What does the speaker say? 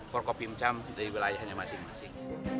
korko pimcam dari wilayahnya masing masing